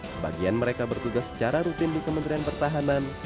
sebagian mereka bertugas secara rutin di kementerian pertahanan